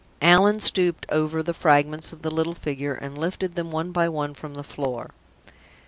Allan stooped over the fragments of the little figure, and lifted them one by one from the floor.